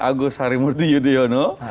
agus harimuddin yudhoyono